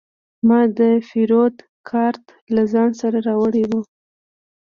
ما د پیرود کارت له ځان سره راوړی و.